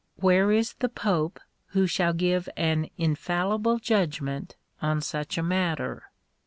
Where is the pope who shall give an infallible judgment on such a matter